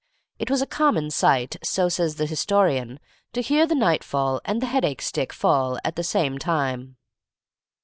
It was a common sight, so says the historian, to hear the nightfall and the headache stick fall at the same time.